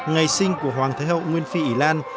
ngày sinh của hoàng thế hậu nguyên phi ý lan